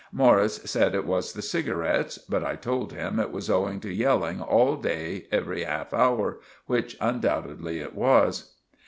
Morris said it was the cigarets, but I told him it was owing to yelling all day every half hour, which undoubtedly it was.